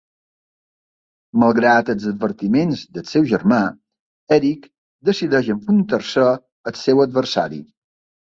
Malgrat els advertiments del seu germà, Eric decideix enfrontar-se al seu adversari.